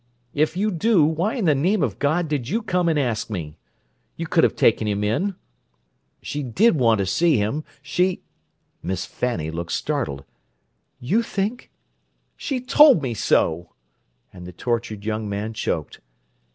If you do, why in the name of God did you come and ask me? You could have taken him in! She did want to see him. She—" Miss Fanny looked startled. "You think—" "She told me so!" And the tortured young man choked.